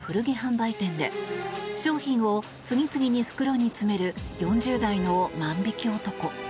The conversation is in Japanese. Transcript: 大阪市内にある無人の古着販売店で商品を次々に袋に詰める４０代の万引き男。